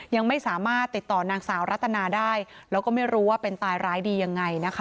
ยังไม่สามารถติดต่อนางสาวรัตนาได้แล้วก็ไม่รู้ว่าเป็นตายร้ายดียังไงนะคะ